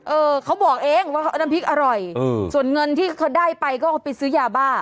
เออเขาบอกเองว่าน้ำพริกอร่อยส่วนเงินที่เขาได้ไปก็เอาไปซื้อยาบ้า